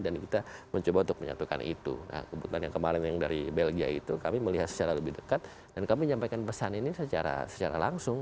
dan kita mencoba untuk menyatukan itu kemarin yang dari belgia itu kami melihat secara lebih dekat dan kami menyampaikan pesan ini secara langsung